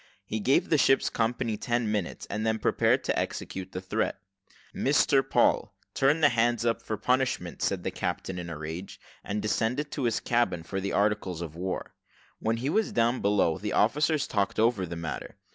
He gave the ship's company ten minutes, and then prepared to execute the threat. "Mr Paul, turn the hands up for punishment," said the captain in a rage, and descended to his cabin for the articles of war. When he was down below, the officers talked over the matter.